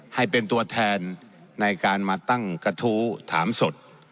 ให้เป็นตัวแทนในการมาตั้งกระทู้ถามสด